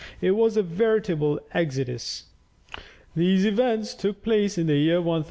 It was a veritable exodus. These events took place in the year 1000.